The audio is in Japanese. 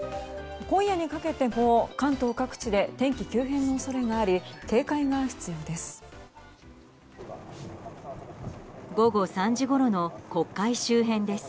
今夜にかけても関東各地で天気急変の恐れがあり警戒が必要です。